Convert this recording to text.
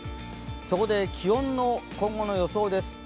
そこで気温の今後の予想です。